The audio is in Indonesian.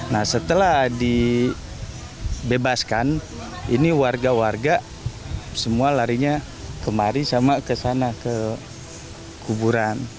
nah setelah dibebaskan ini warga warga semua larinya kemari sama ke sana ke kuburan